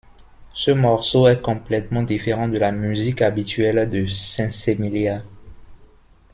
Ce morceau est complètement différent de la musique habituelle de Sinsémilia.